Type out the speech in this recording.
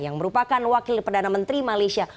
yang merupakan wakil perdana menteri malaysia